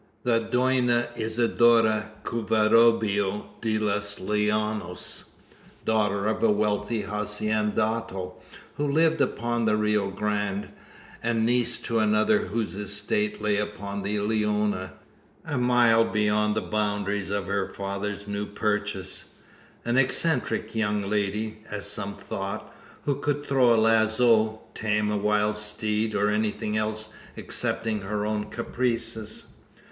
The Dona Isidora Covarubio de los Llanos daughter of a wealthy haciendado, who lived upon the Rio Grande, and niece to another whose estate lay upon the Leona, a mile beyond the boundaries of her father's new purchase. An eccentric young lady, as some thought, who could throw a lazo, tame a wild steed, or anything else excepting her own caprices.